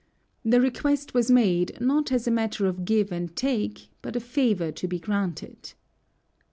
The request was made, not as a matter of give and take, but a favor to be granted.